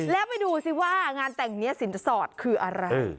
แล้วไปดูสิว่างานแต่งนี้สินสอดคืออะไร